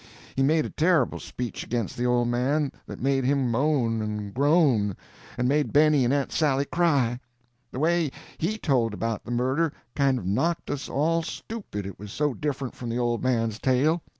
He made a terrible speech against the old man, that made him moan and groan, and made Benny and Aunt Sally cry. The way he told about the murder kind of knocked us all stupid it was so different from the old man's tale.